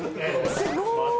すごーい！